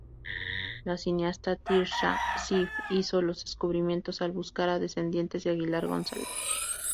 La cineasta Trisha Ziff hizo los descubrimientos al buscar a descendientes de Aguilar González.